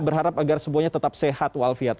berharap agar semuanya tetap sehat wal fiat